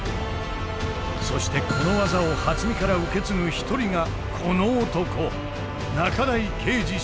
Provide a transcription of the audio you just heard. そしてこの技を初見から受け継ぐ一人がこの男。